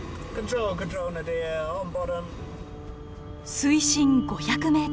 水深５００ｍ。